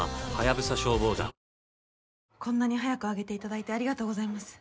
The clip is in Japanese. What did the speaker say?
こんなに早く上げて頂いてありがとうございます。